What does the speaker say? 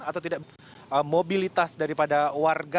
atau tidak mobilitas daripada warga